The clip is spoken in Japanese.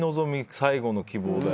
最後の希望だよ。